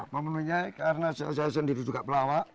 memenuhinya karena saya sendiri juga pelawak